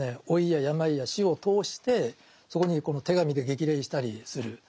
老いや病や死を通してそこにこの手紙で激励したりする。